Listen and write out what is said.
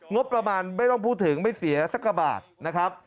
งบประมาณไม่ต้องพูดถึงไม่เสียสักกระบาทนะครับ